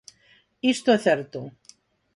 Isto é certo.